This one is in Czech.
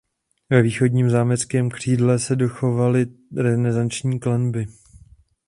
Ve východním zámeckém křídle se dochovaly renesanční klenby.